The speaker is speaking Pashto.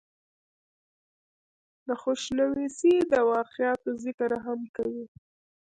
دَخوشنويسۍ دَواقعاتو ذکر هم کوي ۔